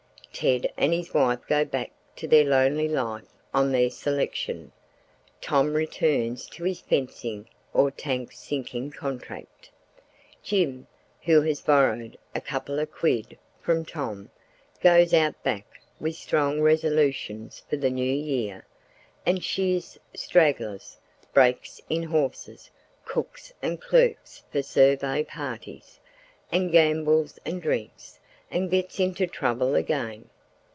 Ted and his wife go back to their lonely life on their selection; Tom returns to his fencing or tank sinking contract; Jim, who has borrowed "a couple of quid" from Tom, goes out back with strong resolutions for the New Year, and shears "stragglers," breaks in horses, cooks and clerks for survey parties, and gambles and drinks, and gets into trouble again.